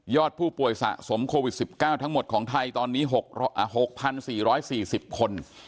ผู้ป่วยสะสมโควิด๑๙ทั้งหมดของไทยตอนนี้๖๔๔๐คน